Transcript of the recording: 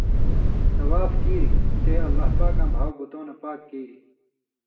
طواف کیریۡ، تے اللّٰہ پاکاں بھاؤ بُتؤں نہ پاک کیریۡ